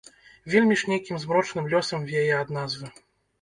Вельмі ж нейкім змрочным лёсам вее ад назвы.